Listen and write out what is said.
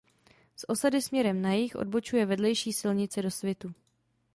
Z osady směrem na jih odbočuje vedlejší silnice do Svitu.